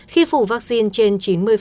khi phủ vaccine trên chín mươi